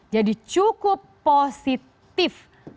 jadi cukup positif